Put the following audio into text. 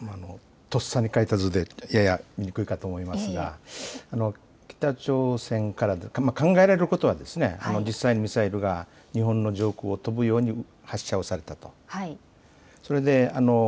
とっさに描いた図で見にくいかと思いますが北朝鮮から考えられることは実際にミサイルが日本の上空を飛ぶように発射をされたと。